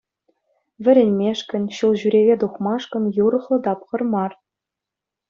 Вӗренмешкӗн, ҫул ҫӳреве тухмашкӑн юрӑхлӑ тапхӑр мар.